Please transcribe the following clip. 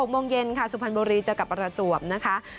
โมงเย็นค่ะสุพรรณบุรีเจอกับประจวบนะคะ